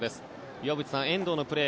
岩渕さん、遠藤のプレー